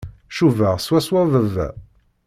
Cubaɣ swaswa baba.